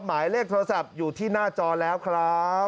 หมายเลขโทรศัพท์อยู่ที่หน้าจอแล้วครับ